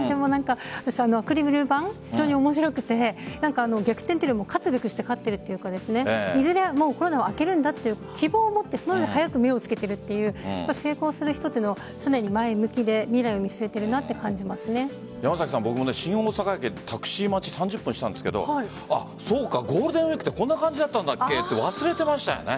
私、アクリル板非常に面白くて逆転というよりも勝つべくして勝っているというかいずれはコロナは明けるんだという希望を持って早く目をつけているという成功する人というのは常に前向きで未来を見据えているなと僕も新大阪駅でタクシー待ち３０分したんですがそうか、ゴールデンウイークってこんな感じだったっけと忘れていました。